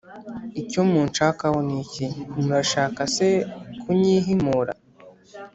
icyo munshakaho ni iki? Murashaka se kunyihimura?